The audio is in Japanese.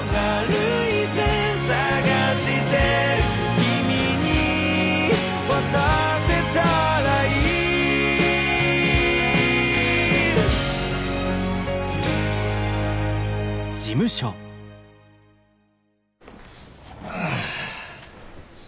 「君に渡せたらいい」ああ。